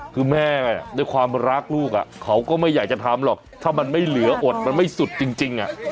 คือแม่ด้วยความรักลูกเขาก็ไม่อยากจะทำหรอกถ้ามันไม่เหลืออดมันไม่สุดจริง